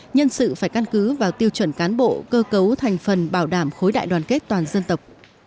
nhân sự phải căn cứ vào tiêu chuẩn cán bộ cơ cấu thành phần bảo đảm khối đại đoàn kết toàn dân tộc